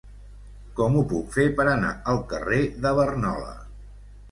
Com ho puc fer per anar al carrer de Barnola?